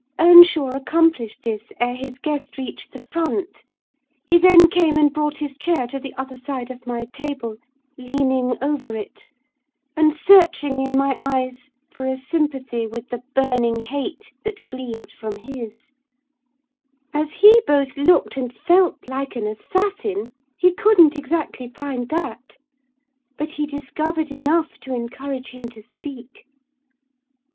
"Earnshaw accomplished this ere his guest reached the front; he then came and brought his chair to the other side of my table, leaning over it, and searching in my eyes for a sympathy with the burning hate that gleamed from his: as he both looked and felt like an assassin, he couldn't exactly find that; but he discovered enough to encourage him to speak.